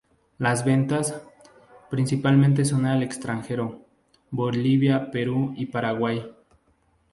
Las ventas, principalmente, son al extranjero: Bolivia, Perú y Paraguay.